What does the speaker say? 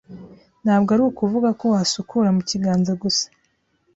ntabwo ari ukuvuga ko wasukura mu kiganza gusa.